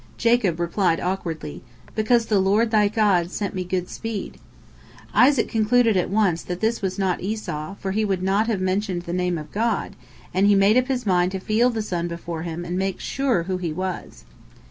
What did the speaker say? Jacob replied awkwardly, "Because the Lord thy God sent me good speed." Isaac concluded at once that this was not Esau, for he would not have mentioned the name of God, and he made up his mind to feel the son before him and make sure who he was.